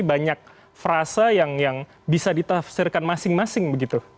banyak frasa yang bisa ditafsirkan masing masing begitu